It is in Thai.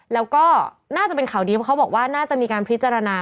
แล้วก็น่าจะเป็นข่าวดีเพราะเขาบอกว่าน่าจะมีการพิจารณา